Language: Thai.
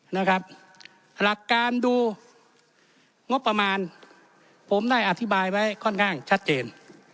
หลักการดูงบประมาณผมได้อธิบายไว้ค่อนข้างชัดเจน